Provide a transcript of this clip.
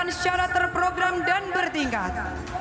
dan diperlukan secara terprogram dan bertingkat